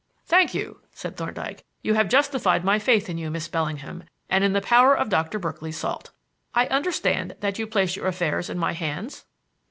"Thank you," said Thorndyke. "You have justified my faith in you, Miss Bellingham, and in the power of Dr. Berkeley's salt. I understand that you place your affairs in my hands?"